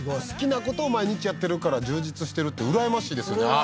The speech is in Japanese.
好きな事を毎日やってるから充実してるってうらやましいですよね